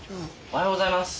おはようございます。